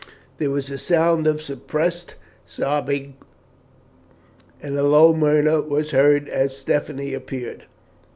There was a sound of suppressed sobbing, and a low murmur was heard as Stephanie appeared.